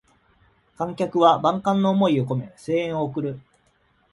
観客は万感の思いをこめ声援を送る